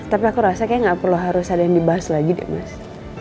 tapi aku rasa kayaknya gak perlu harus ada yang dibahas lagi deh mas